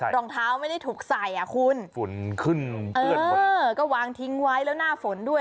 รองเท้าไม่ได้ถูกใส่อ่ะคุณฝุ่นขึ้นเอื้อนหมดเออก็วางทิ้งไว้แล้วหน้าฝนด้วย